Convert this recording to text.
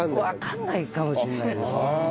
わからないかもしれないですね。